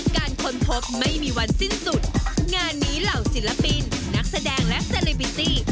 ค้นพบไม่มีวันสิ้นสุดงานนี้เหล่าศิลปินนักแสดงและเซเลบิตี้